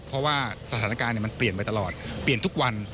เพราะว่าสถานการณ์มันเปลี่ยนไปตลอดเปลี่ยนทุกวัน